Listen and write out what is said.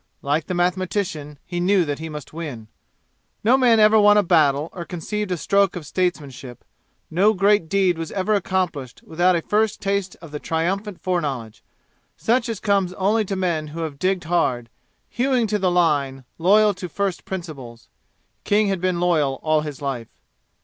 Like the mathematician, he knew that he must win. No man ever won a battle or conceived a stroke of statesmanship, no great deed was ever accomplished without a first taste of the triumphant foreknowledge, such as comes only to men who have digged hard, hewing to the line, loyal to first principles. King had been loyal all his life.